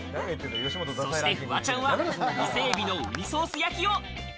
そしてフワちゃんは伊勢エビのうにソース焼きを。